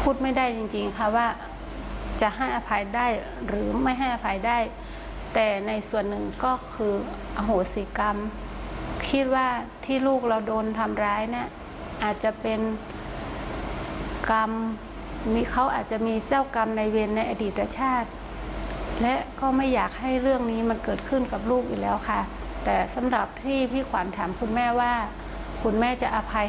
พูดไม่ได้จริงจริงค่ะว่าจะให้อภัยได้หรือไม่ให้อภัยได้แต่ในส่วนหนึ่งก็คืออโหสิกรรมคิดว่าที่ลูกเราโดนทำร้ายเนี่ยอาจจะเป็นกรรมมีเขาอาจจะมีเจ้ากรรมในเวรในอดีตชาติและก็ไม่อยากให้เรื่องนี้มันเกิดขึ้นกับลูกอยู่แล้วค่ะแต่สำหรับที่พี่ขวัญถามคุณแม่ว่าคุณแม่จะอภัยให้